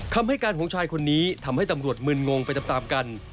คำให้การของชายคนนี้ทำให้ตำรวจมึนงงไปตามกัน